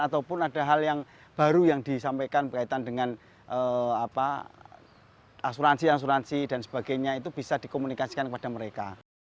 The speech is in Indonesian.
ataupun ada hal yang baru yang disampaikan berkaitan dengan asuransi asuransi dan sebagainya itu bisa dikomunikasikan kepada mereka